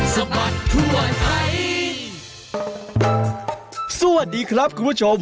สวัสดีครับคุณผู้ชม